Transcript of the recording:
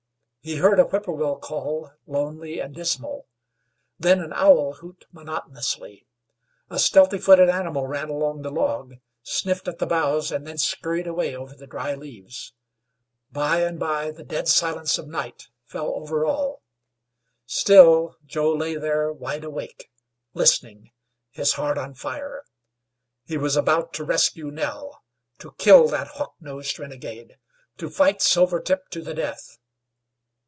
He heard a whippoorwill call, lonely and dismal; then an owl hoot monotonously. A stealthy footed animal ran along the log, sniffed at the boughs, and then scurried away over the dry leaves. By and by the dead silence of night fell over all. Still Joe lay there wide awake, listening his heart on fire. He was about to rescue Nell; to kill that hawk nosed renegade; to fight Silvertip to the death.